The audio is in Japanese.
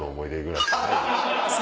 はい。